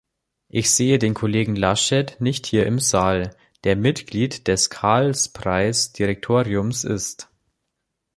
Ich sehe den Kollegen Laschet nicht hier im Saal, der Mitglied des Karlspreis-Direktoriums ist.